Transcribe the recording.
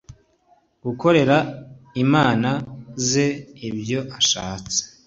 gukorera imana ze ibyo ashatse